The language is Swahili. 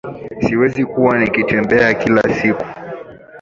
Siwezi kuwa nikitembea kila siku